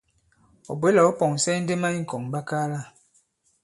Ɔ̀ bwě la ɔ̃ pɔ̀ŋsɛ indema ì ŋ̀kɔ̀ŋɓakaala.